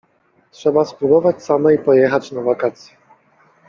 „Trzeba spróbować samej pojechać na wakacje.